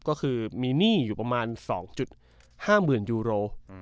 ก็คือมีหนี้อยู่ประมาณ๒๕๐๐๐ยูโร